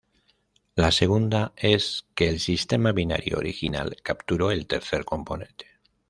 La segunda es que el sistema binario original capturó el tercer componente.